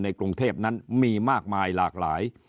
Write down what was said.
กรุงเทพนั้นมีมากมายหลากหลาย